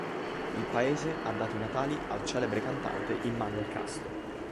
Il paese ha dato i natali al celebre cantante Immanuel Casto.